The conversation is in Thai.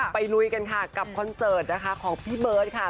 ลุยกันค่ะกับคอนเสิร์ตนะคะของพี่เบิร์ตค่ะ